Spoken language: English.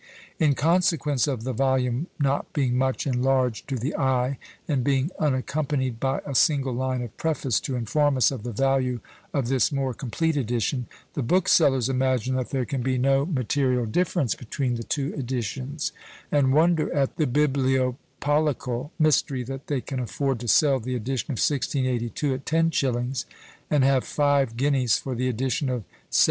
In consequence of the volume not being much enlarged to the eye, and being unaccompanied by a single line of preface to inform us of the value of this more complete edition, the booksellers imagine that there can be no material difference between the two editions, and wonder at the bibliopolical mystery that they can afford to sell the edition of 1682 at ten shillings, and have five guineas for the edition of 1732!